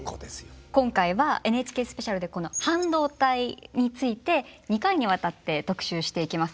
今回は「ＮＨＫスペシャル」でこの半導体について２回にわたって特集していきます。